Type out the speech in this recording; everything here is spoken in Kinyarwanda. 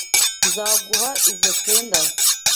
Nzaguha izoi pendant.